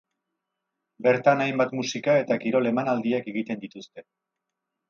Bertan hainbat musika eta kirol emanaldiak egiten dituzte.